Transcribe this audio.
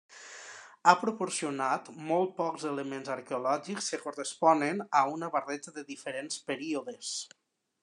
Ha proporcionat molt pocs elements arqueològics que corresponen a una barreja de diferents períodes.